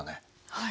はい。